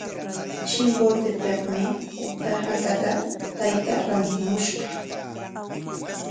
Chimbotepikmi suqta hakata taytaa rantimushqa.